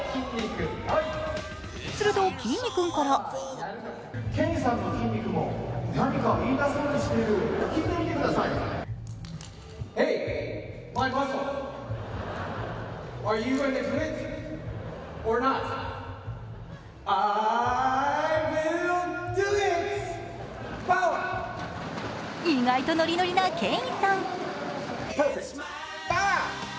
すると、きんに君から意外とノリノリなケインさん。